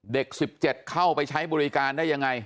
๑๗เข้าไปใช้บริการได้ยังไง